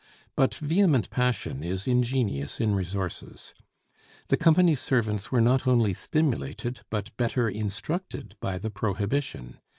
But vehement passion is ingenious in resources. The company's servants were not only stimulated but better instructed by the prohibition.